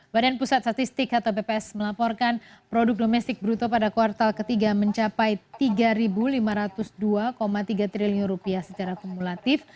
badan pusat statistik atau bps melaporkan produk domestik bruto pada kuartal ketiga mencapai rp tiga lima ratus dua tiga triliun secara kumulatif